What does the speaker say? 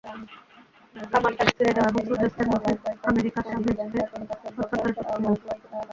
কামার-তাজে ফিরে যাও, এবং সূর্যাস্তের মধ্যে আমেরিকা শাভেজকে হস্তান্তরের প্রস্তুতি নেও।